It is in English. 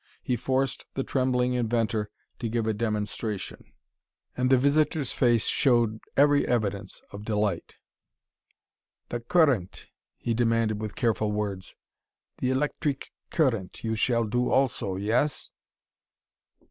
He forced the trembling inventor to give a demonstration, and the visitor's face showed every evidence of delight. "The cur rent," he demanded with careful words, "the electreek cur rent, you shall do also. Yes?"